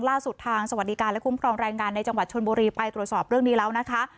ล่าสุดทางสวัสดิการและคุ้มครองแรงงานในจังหวัดชนบุรีไปตรวจสอบเรื่องนี้แล้วนะคะ